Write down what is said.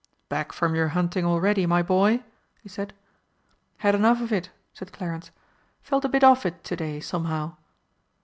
"Back from your hunting already, my boy?" he said. "Had enough of it," said Clarence. "Felt a bit off it to day, somehow."